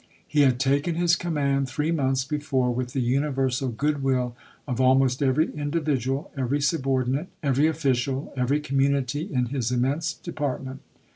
He had taken his command three ch. xxiv. months before with the universal good will of al most every individual, every subordinate, every official, every community in his immense depart ment.